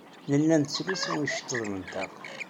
Nella nettlusu iceḍḍiḍen-nteɣ.